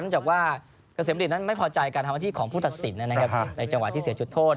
หลังจากว่ากระเสมอดิดนั้นไม่พอใจการทำวันที่ของผู้ตัดสินนะครับในจังหวะที่เสียจุดโทษ